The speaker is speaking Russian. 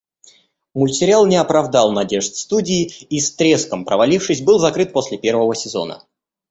Мультсериал не оправдал надежд студии и, с треском провалившись, был закрыт после первого сезона.